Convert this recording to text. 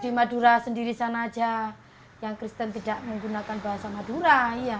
di madura sendiri sana aja yang kristen tidak menggunakan bahasa madura iya